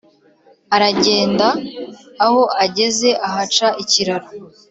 aragenda; aho ageze ahaca ikiraro